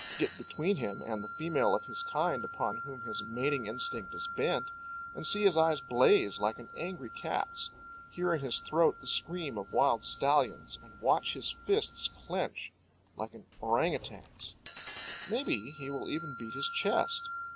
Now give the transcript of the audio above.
Get between him and the female of his kind upon whom his mating instinct is bent, and see his eyes blaze like an angry cat's, hear in his throat the scream of wild stallions, and watch his fists clench like an orang outang's. Maybe he will even beat his chest.